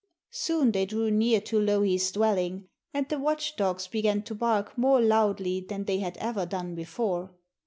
Soon they drew near to Louhi's dwelling, and the watchdogs began to bark more loudly than they had ever done before.